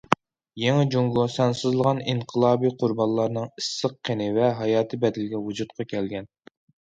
يېڭى جۇڭگو سانسىزلىغان ئىنقىلابىي قۇربانلارنىڭ ئىسسىق قېنى ۋە ھاياتى بەدىلىگە ۋۇجۇدقا كەلگەن.